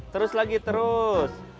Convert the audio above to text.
terus lagi terus